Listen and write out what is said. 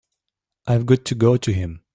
I've got to go to him.